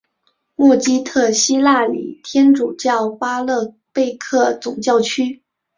默基特希腊礼天主教巴勒贝克总教区。